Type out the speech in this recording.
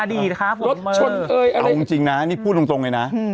อ๋ออ่าดีทะคไมจริงน่ะนี่พูดตรงตรงเลยน่ะ